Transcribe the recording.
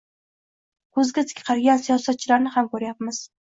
ko‘zga tik qaragan siyosatchilarni ham ko‘ryapmiz.